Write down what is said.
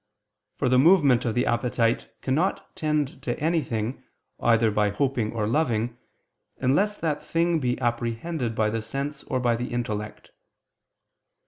For the movement of the appetite cannot tend to anything, either by hoping or loving, unless that thing be apprehended by the sense or by the intellect.